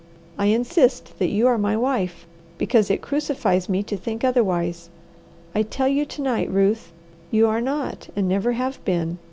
I insist that you are my wife, because it crucifies me to think otherwise. I tell you to night, Ruth, you are not and never have been.